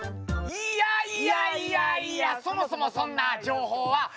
「いやいやいやいやそもそもそんな情報は」